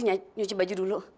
nyuci baju dulu